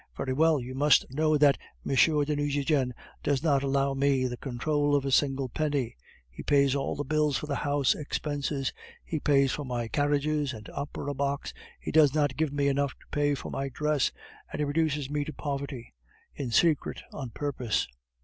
Very well, you must know that M. de Nucingen does not allow me the control of a single penny; he pays all the bills for the house expenses; he pays for my carriages and opera box; he does not give me enough to pay for my dress, and he reduces me to poverty in secret on purpose.